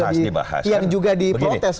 yang juga diprotes